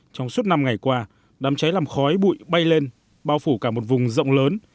trong suốt năm ngày qua đám cháy làm khói bụi bay lên bao phủ cả một vùng rộng lớn